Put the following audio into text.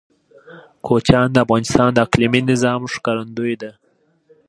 کوچیان د افغانستان د اقلیمي نظام ښکارندوی ده.